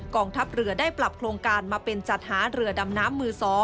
งทัพเรือได้ปรับโครงการมาเป็นจัดหาเรือดำน้ำมือ๒